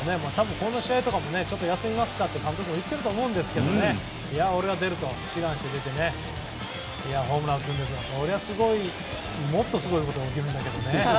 この試合でも休みますかって監督とかも言っていると思うんですが、俺は出ると志願して出てホームランを打つんですからそりゃすごいもっとすごいことが起きるんだけどね。